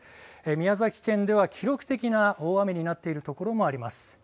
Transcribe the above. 宮崎県では記録的な大雨になっているところもあります。